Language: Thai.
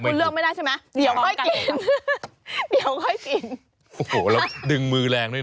ไซส์ลำไย